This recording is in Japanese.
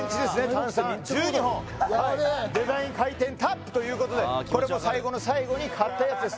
単三１２本デザイン回転タップということでこれも最後の最後に買ったやつです